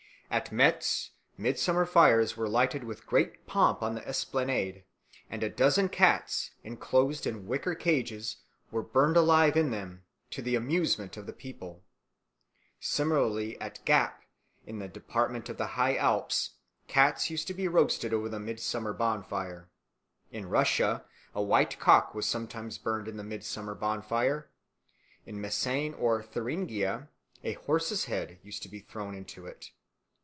At Metz midsummer fires were lighted with great pomp on the esplanade, and a dozen cats, enclosed in wicker cages, were burned alive in them, to the amusement of the people. Similarly at Gap, in the department of the High Alps, cats used to be roasted over the midsummer bonfire. In Russia a white cock was sometimes burned in the midsummer bonfire; in Meissen or Thuringia a horse's head used to be thrown into it.